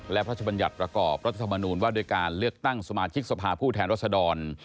และพระชบัญญัติประกอบรัฐธรรมนูญว่าด้วยการเลือกตั้งสมาชิกสภาผู้แทนรัศดร